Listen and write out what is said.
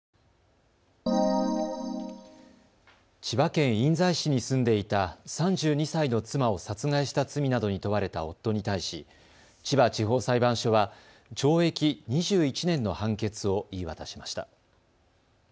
千葉県印西市に住んでいた３２歳の妻を殺害した罪などに問われた夫に対し千葉地方裁判所は懲役２１年の判決を言い渡しました。